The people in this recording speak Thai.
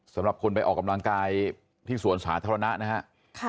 สำหรับคนไปออกกำลังกายที่สวนสาธารณะนะครับ